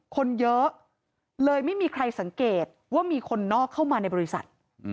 คนเยอะเลยไม่มีใครสังเกตว่ามีคนนอกเข้ามาในบริษัท